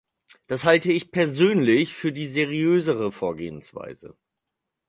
Das halte ich persönlich für die seriösere Vorgehensweise.